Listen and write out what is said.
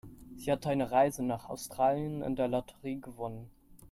Sie hat eine Reise nach Australien in der Lotterie gewonnen.